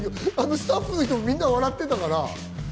スタッフもみんな笑ってたから。